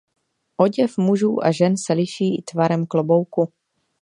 Oděv mužů a žen se liší i tvarem klobouku.